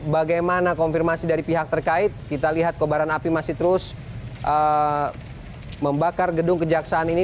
bagaimana konfirmasi dari pihak terkait kita lihat kobaran api masih terus membakar gedung kejaksaan ini